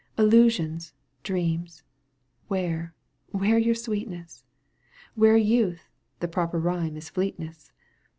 Illusions, dreams, where, where your sweetness? Where youth (the proper rhyme is fleetness)?